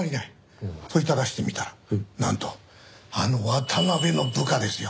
問いただしてみたらなんとあの渡辺の部下ですよ。